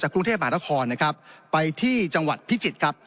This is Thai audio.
กรุงเทพมหานครนะครับไปที่จังหวัดพิจิตรครับ